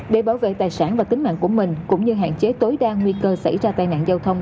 để bảo vệ tài sản và tính mạng của mình cũng như hạn chế tối đa nguy cơ xảy ra tai nạn giao thông